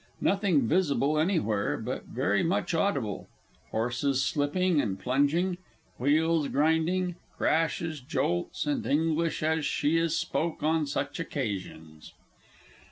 _Nothing visible anywhere, but very much audible; horses slipping and plunging, wheels grinding, crashes, jolts, and English as she is spoke on such occasions.